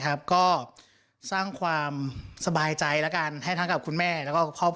ก็สร้างความสบายใจแล้วกันให้ทั้งกับคุณแม่แล้วก็ครอบครัว